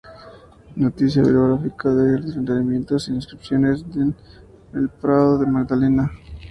Noticia bibliográfica de enterramientos e inscripciones en el Prado de la Magdalena.